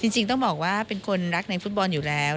จริงต้องบอกว่าเป็นคนรักในฟุตบอลอยู่แล้ว